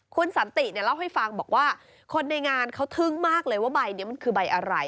คุณสันติเนี่ยเล่าให้ฟังบอกว่าคนในงานเขาทึ่งมากเลยว่าใบนี้มันคือใบอะไร